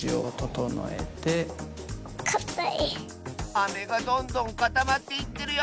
アメがどんどんかたまっていってるよ！